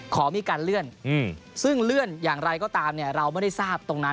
ขอมีการเลื่อนซึ่งเลื่อนอย่างไรก็ตามเราไม่ได้ทราบตรงนั้น